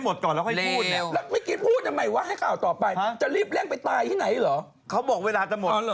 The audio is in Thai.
มะพอละ